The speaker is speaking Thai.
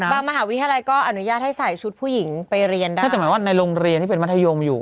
บางมหาวิทยาลัยก็อนุญาตให้ใส่ชุดผู้หญิงไปเรียนได้ถ้าจริงในโรงเรียนที่เป็นมหาโทยมอยู่